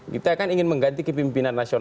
kita kan ingin mengganti kepimpinan nasional